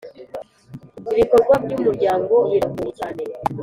ibikorwa by ‘Umuryango biragoye cyane.